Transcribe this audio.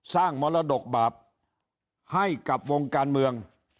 มรดกบาปให้กับวงการเมือง